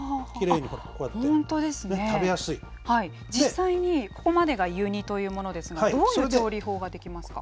実際に、ここまでが湯煮というものがですがどういう調理法ができますか。